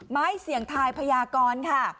ไม้เสี่ยงทายพญากรค่ะ